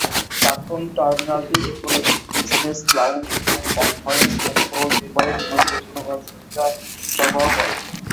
প্রাক্তন টার্মিনালটি এখন একটি বিজনেস লাউঞ্জ এবং কনফারেন্স রুম সহ নির্বাহী বিমান পরিচালনা করার সুবিধাদি সরবরাহ করে।